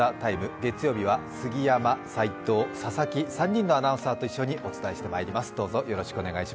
月曜日は杉山、齋藤、佐々木、３人のアナウンサーと一緒にお伝えしてまいります。